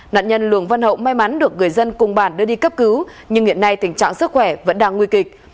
nạn nhân lường văn hậu may mắn được người dân cùng bản đưa đi cấp cứu nhưng hiện nay tình trạng sức khỏe vẫn đang nguy kịch